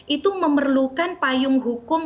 itu memerlukan payung hukum